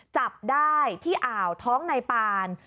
จับได้ที่อ่าวท้องนายปาน